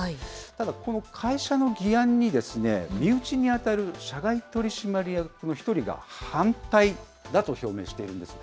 ただ、この会社の議案に、身内に当たる社外取締役の１人が反対だと表明しているんです。